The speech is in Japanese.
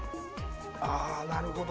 あなるほど。